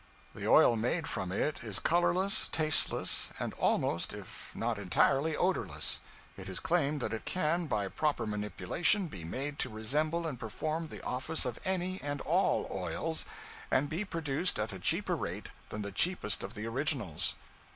The oil made from it is colorless, tasteless, and almost if not entirely odorless. It is claimed that it can, by proper manipulation, be made to resemble and perform the office of any and all oils, and be produced at a cheaper rate than the cheapest of the originals.